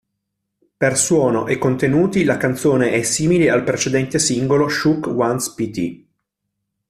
Per suono e contenuti la canzone è simile al precedente singolo, "Shook Ones Pt.